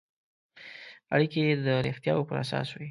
اړیکې یې د رښتیاوو پر اساس وي.